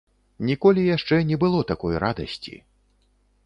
Ніколі яшчэ не было такой радасці.